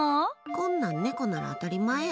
こんなん猫なら当たり前や。